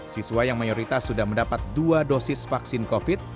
siswa yang mayoritas sudah mendapat dua dosis vaksin covid